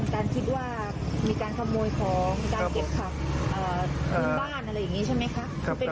ค่ะอ่านาลี๊นบ้านหรืออะไรอย่างนี้ใช่มั้ยคะ